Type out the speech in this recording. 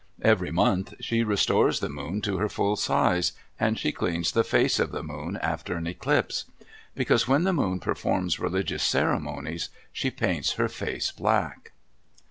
Every month she restores the Moon to her full size; and she cleans the face of the Moon after an eclipse. Because when the Moon performs religious ceremonies, she paints her face black.